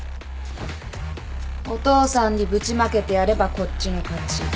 お父さんにぶちまけてやればこっちの勝ち。